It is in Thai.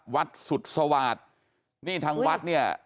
วัดสุดสวาทนี่ทั้งวัดนี่อ่อน